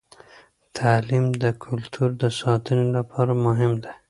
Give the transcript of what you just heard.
تعلیم د کلتور د ساتنې لپاره مهم دی.